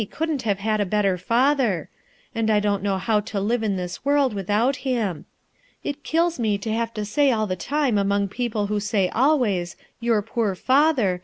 couldn't have had a better father; and I don't know how to live in this world without him. It kills me to have to stay all the time among people who gay always; 'Your poor father!